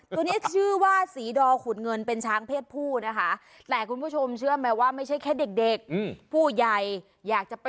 แต่ว่ารอดตัวผู้ตัวเมียนะ